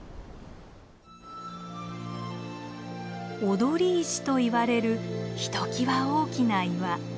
「踊石」といわれるひときわ大きな岩。